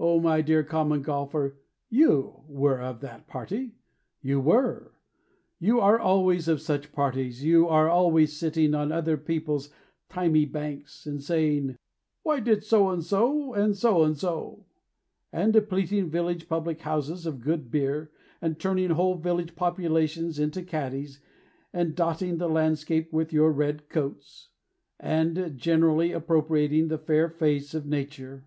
O, my dear Common Golfer, You were of that party; You were; You are always of such parties, You are always sitting On other people's thymy banks, And saying, "Why did So and so so and so?" And depleting village public houses of good beer, And turning whole village populations into caddies, And dotting the landscape with your red coats, And generally appropriating the fair face of Nature.